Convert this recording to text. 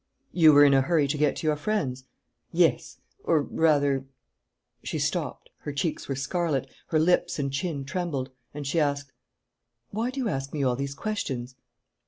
"You were in a hurry to get to your friend's?" "Yes ... or rather " She stopped; her cheeks were scarlet; her lips and chin trembled; and she asked: "Why do you ask me all these questions?"